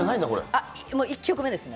１曲目ですね。